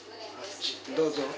どうぞ。